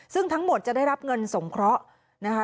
ซึ่งทั้งหมดจะได้รับเงินสงเคราะห์นะคะ